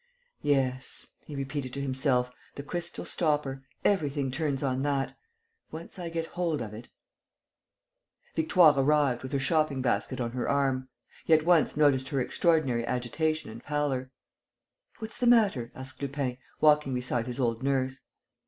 "Yes," he repeated to himself, "the crystal stopper: everything turns on that.... Once I get hold of it...." Victoire arrived, with her shopping basket on her arm. He at once noticed her extraordinary agitation and pallor: "What's the matter?" asked Lupin, walking beside his old nurse.